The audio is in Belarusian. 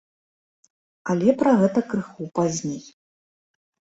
Але пра гэта крызу пазней.